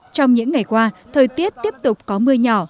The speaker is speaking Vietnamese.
trong những ngày qua thời tiết tiếp tục có mưa nhỏ